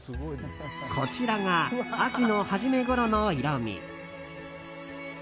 こちらが秋の初めごろの色味。